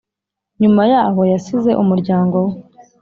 nyuma yaho yasize umuryango we